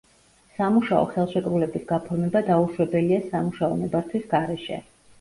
სამუშაო ხელშეკრულების გაფორმება დაუშვებელია სამუშაო ნებართვის გარეშე.